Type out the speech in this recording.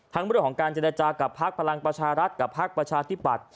ทั้งบริเวณของการจรรยาจากับภักดิ์พลังประชารัฐกับภักดิ์ประชาธิบัตร